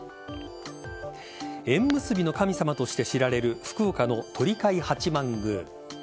縁結びの神様として知られる福岡の鳥飼八幡宮。